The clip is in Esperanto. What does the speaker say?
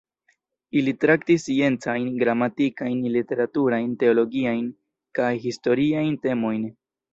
Ili traktis sciencajn, gramatikajn, literaturajn, teologiajn kaj historiajn temojn.